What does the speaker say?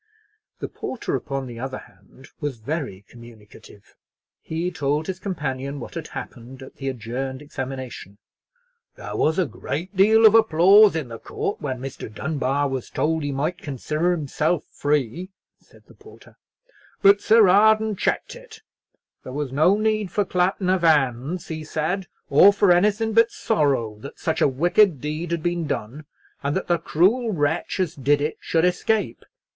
The porter, upon the other hand, was very communicative. He told his companion what had happened at the adjourned examination. "There was a deal of applause in the court when Mr. Dunbar was told he might consider himself free," said the porter; "but Sir Arden checked it; there was no need for clapping of hands, he says, or for anything but sorrow that such a wicked deed had been done, and that the cruel wretch as did it should escape.